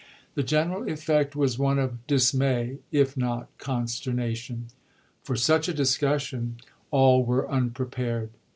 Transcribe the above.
The general effect was one of dis may if not consternation. For such a discussion all were unprepared.